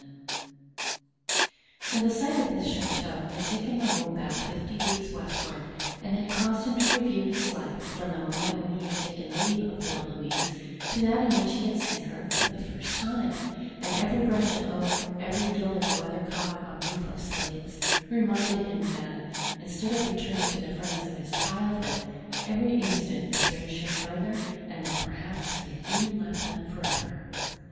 Now the sight of this chateau had taken Raoul back fifty leagues westward and had caused him to review his life from the moment when he had taken leave of little Louise to that in which he had seen her for the first time; and every branch of oak, every gilded weathercock on roof of slates, reminded him that, instead of returning to the friends of his childhood, every instant estranged him further and that perhaps he had even left them forever.